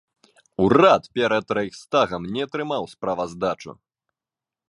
Урад перад рэйхстагам не трымаў справаздачу.